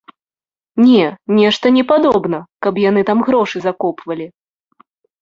Не, нешта не падобна, каб яны там грошы закопвалі.